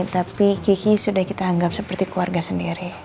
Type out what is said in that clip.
tapi kiki sudah kita anggap seperti keluarga sendiri